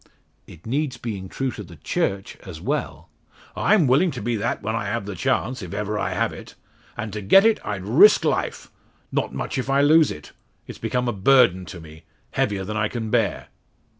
"It needs being true to the Church as well." "I'm willing to be that when I have the chance, if ever I have it. And to get it I'd risk life. Not much if I lose it. It's become a burden to me, heavier than I can bear."